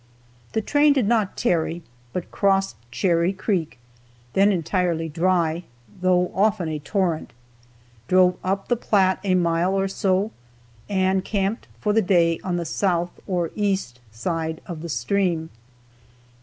The train did not tarry, but crossed Cherry Creek then entirely dry, though often a torrent drove up the Platte a mile or so and camped for the day on the south or east side of the stream.